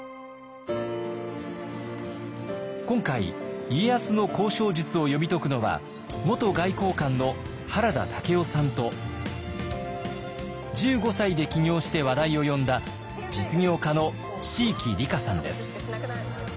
今回家康の交渉術を読み解くのは元外交官の原田武夫さんと１５歳で起業して話題を呼んだ実業家の椎木里佳さんです。